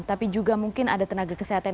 tapi juga mungkin ada tenaga kesehatan